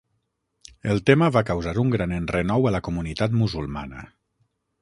El tema va causar un gran enrenou a la comunitat musulmana.